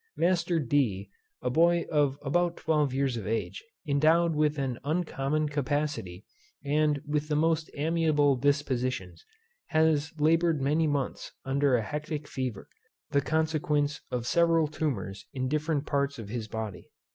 Master D. a boy of about twelve years of age, endowed with an uncommon capacity, and with the most amiable dispositions, has laboured many months under a hectic fever, the consequence of several tumours in different parts of his body.